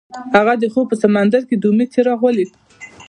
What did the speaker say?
هغه د خوب په سمندر کې د امید څراغ ولید.